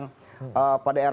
pada era sebelumnya